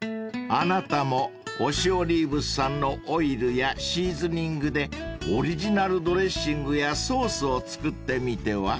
［あなたもおしおりーぶさんのオイルやシーズニングでオリジナルドレッシングやソースを作ってみては？］